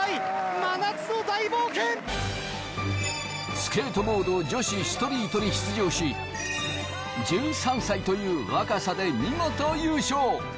スケートボード女子ストリートに出場し１３歳という若さで見事優勝。